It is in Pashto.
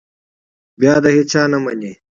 بیا د هېچا نه مني.